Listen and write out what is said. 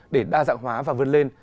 để đa dạng hóa và vươn lên